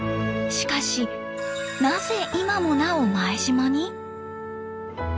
しかしなぜ今もなお前島に？